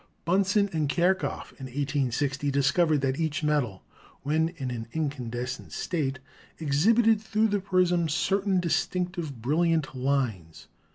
Bunsen and Kirchhoff in i860 discovered that each metal when in an incandescent state exhibited through the prism certain distinctive brilliant lines.